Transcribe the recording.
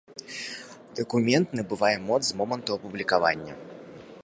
Дакумент набывае моц з моманту апублікавання.